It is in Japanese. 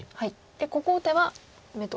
ここ打てば眼と。